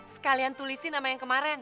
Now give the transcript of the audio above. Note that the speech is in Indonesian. sekalian tulisin nama yang kemarin